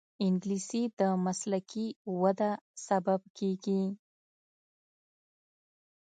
انګلیسي د مسلکي وده سبب کېږي